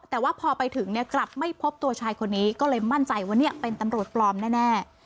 แต่ว่าพอไปถึงเนี่ยกลับไม่พบตัวชายคนนี้ก็เลยมั่นใจว่าเนี่ยเป็นตำรวจปลอมแน่